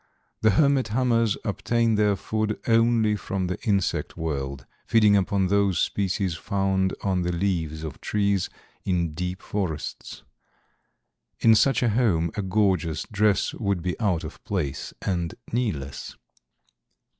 The hermit hummers obtain their food only from the insect world, feeding upon those species found on the leaves of trees in deep forests. In such a home a gorgeous dress would be out of place and needless.